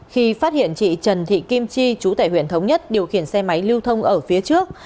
khi phát hiện chị trần thị kim chi chú tài huyện thống nhất điều khiển xe máy lưu thông ở phía trước